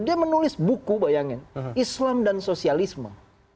dia menulis buku bayangin islam dan sosialisme